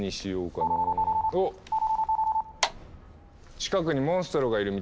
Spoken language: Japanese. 近くにモンストロがいるみたいだぞ。